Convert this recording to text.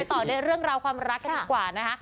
เอาไปต่อเรื่องราวความรักกันดีกว่านะฮะ